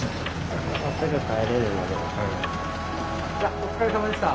お疲れさまでした。